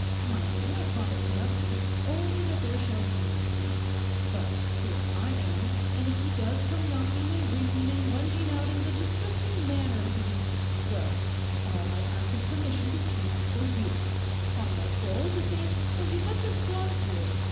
Mind you, I promise nothing—only that there shall be no scene. But here I am, and if he does come knocking and ringing and lunging out in the disgusting manner he—well, all I ask is permission to speak for you. 'Pon my soul, to think what you must have gone through!